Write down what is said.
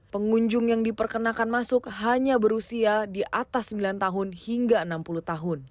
pengunjung yang diperkenakan masuk hanya berusia di atas sembilan tahun hingga enam puluh tahun